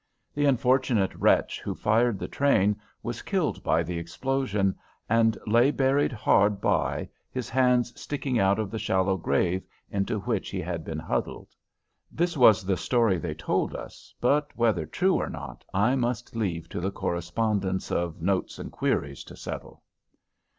The unfortunate wretch who fired the train was killed by the explosion, and lay buried hard by, his hands sticking out of the shallow grave into which he had been huddled. This was the story they told us, but whether true or not I must leave to the correspondents of "Notes and Queries" to settle.